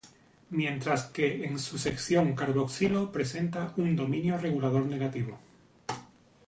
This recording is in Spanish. Mientras que en su sección carboxilo presenta un dominio regulador negativo.